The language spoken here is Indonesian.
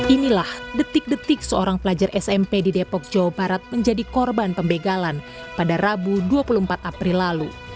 inilah detik detik seorang pelajar smp di depok jawa barat menjadi korban pembegalan pada rabu dua puluh empat april lalu